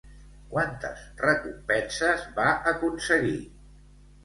Quantes recompenses va aconseguir?